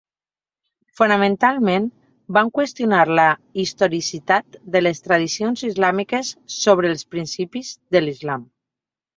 Fonamentalment van qüestionar la historicitat de les tradicions islàmiques sobre els principis de l'Islam.